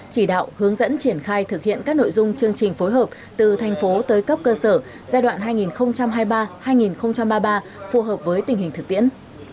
chỉ đạo hướng dẫn triển khai thực hiện các nội dung chương trình phối hợp từ thành phố tới cấp cơ sở giai đoạn hai nghìn hai mươi ba hai nghìn ba mươi ba phù hợp với tình hình thực tiễn